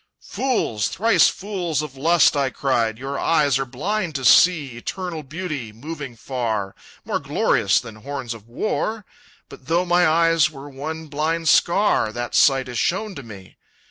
_ "Fools, thrice fools of lust!" I cried, "Your eyes are blind to see Eternal beauty, moving far, More glorious than horns of war! But though my eyes were one blind scar, That sight is shown to me!